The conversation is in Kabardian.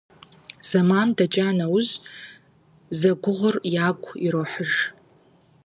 Зэман дэкӀа нэужь, зэгугъур ягу ирохьыж.